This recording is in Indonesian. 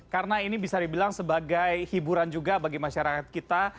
karena ini bisa dibilang sebagai hiburan juga bagi masyarakat kita